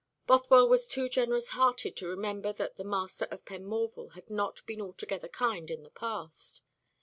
Bothwell was too generous hearted to remember that the master of Penmorval had not been altogether kind in the past.